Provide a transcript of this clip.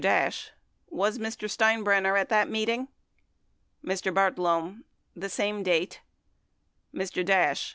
Dash. Was Mr. Steinbrenner at that meeting? Mr. Bartlome. The same date. Mr. Dash.